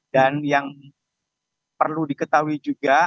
dan yang perlu diketahui juga